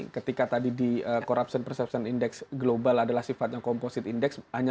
ketika tadi di corruption perception index global adalah sifatnya composite index